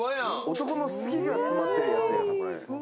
男の好きが詰まってるやつよ、これ。